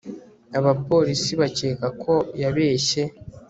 Abapolisi bakeka ko yabeshye